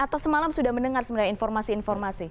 atau semalam sudah mendengar sebenarnya informasi informasi